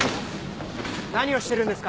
何をしてるんですか？